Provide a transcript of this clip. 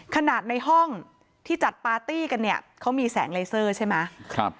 ในห้องที่จัดปาร์ตี้กันเนี่ยเขามีแสงเลเซอร์ใช่ไหม